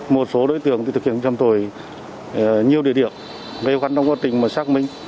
một số đối tượng thực hiện trầm tồi nhiều địa điểm gây khó khăn trong quá trình mà xác minh